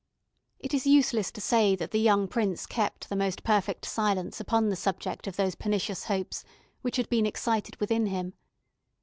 It is useless to say that the young prince kept the most perfect silence upon the subject of those pernicious hopes which had been excited within him.